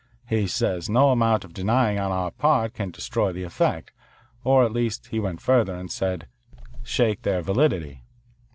He says no amount of denying on our part can destroy the effect or at least he went further and said 'shake their validity.'